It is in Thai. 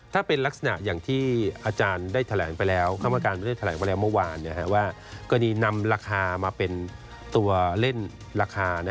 ถ้าเป็นลักษณะอย่างที่อาจารย์ได้แถลงไปแล้วคำการไม่ได้แถลงไปแล้วเมื่อวานว่ากรณีนำราคามาเป็นตัวเล่นราคา